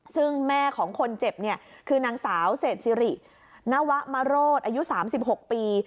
ซึ่งแม่ของคนเจ็บเนี่ยคือนางสาวเศษสิรินวะมโรศอายุ๓๖ปี